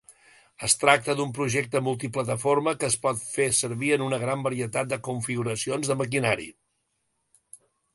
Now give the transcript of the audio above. Es tracta d'un projecte multiplataforma que es pot fer servir en una gran varietat de configuracions de maquinari.